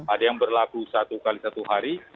ada yang berlaku satu x satu hari